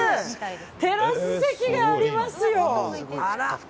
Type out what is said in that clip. テラス席がありますよ！